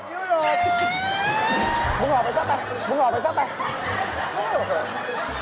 มึงออกไปซะไปมึงออกไปซะไป